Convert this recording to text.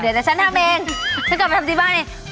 เดี๋ยวฉันทำเองฉันกลับมาทำที่บ้านเอง